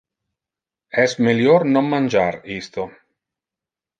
Es melior non mangiar isto.